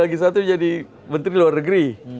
lagi satu jadi menteri luar negeri